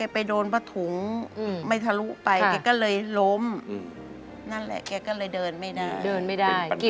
๖ปีมั้งนะพ่อ